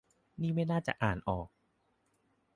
นี่ไม่น่าจะอ่านออก